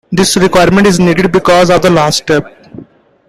This requirement is needed because of the last step.